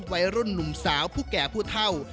วัยรุ่นหนุ่มสาวผู้แก่ผู้เท่า